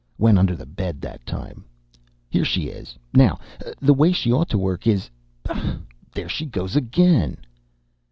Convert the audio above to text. Went under the bed that time. Here she is! Now, the way she ought to work is there she goes again!"